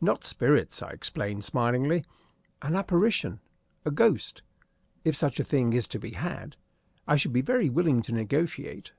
"Not spirits," I explained, smilingly; "an apparition a ghost. If such a thing is to be had, I should be very willing to negotiate."